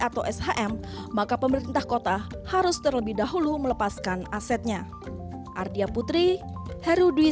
atau shm maka pemerintah kota harus terlebih dahulu melepaskan asetnya ardia putri herudwi